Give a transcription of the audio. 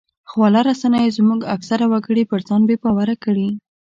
خواله رسنیو زموږ اکثره وګړي پر ځان بې باوره کړي